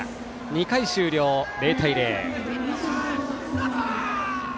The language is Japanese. ２回終了、０対０。